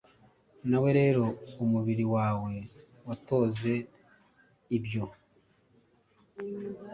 Nawe rero umubiri wawe wutoze ibyo